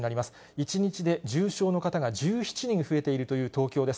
１日で重症の方が１７人増えているという東京です。